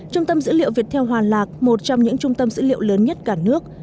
trung tâm dữ liệu việt theo hoàn lạc một trong những trung tâm dữ liệu lớn nhất cả nước